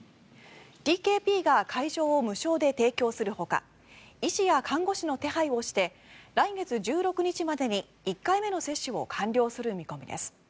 ＴＫＰが会場を無償で提供するほか医師や看護師の手配をして来月１６日までに１回目の接種を完了する見込みです。